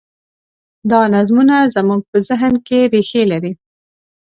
دا نظمونه زموږ په ذهن کې رېښې لري.